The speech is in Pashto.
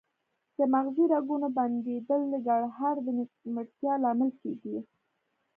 د مغزي رګونو بندیدل د ګړهار د نیمګړتیا لامل کیږي